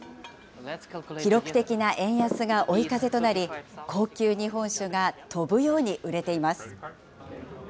記録的な円安が追い風となり、高級日本酒が飛ぶように売れています。